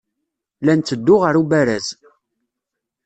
La netteddu ɣer ubaraz.